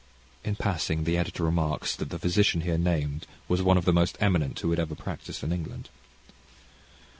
In passing, the editor remarks that the physician here named was one of the most eminent who had ever practised in England.